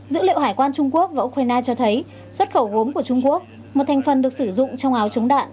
dữ liệu hải quan trung quốc và ukraine cho thấy xuất khẩu gốm của trung quốc một thành phần được sử dụng trong áo chống đạn